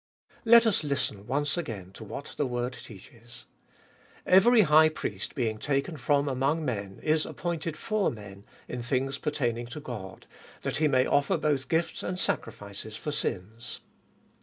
Let us listen once again to what the word teaches. Every high priest being taken from among men, is appointed for men in things pertaining to God, that He may offer both gifts and sacrifices for sins.